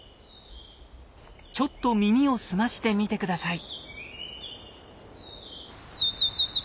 ちょっと耳を澄ましてみて下さい。